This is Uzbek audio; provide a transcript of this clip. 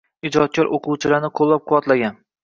Ijodkor o‘quvchilarni qo‘llab-quvvatlagan.